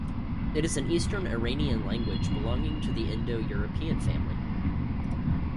It is an Eastern Iranian language, belonging to the Indo-European family.